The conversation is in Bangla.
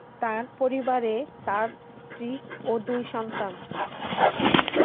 তার পরিবার এ তার স্ত্রী ও দুই সন্তান।